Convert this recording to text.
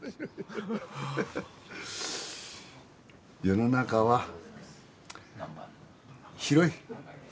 世の中は広い。